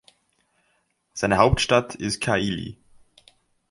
Seine Hauptstadt ist Kaili.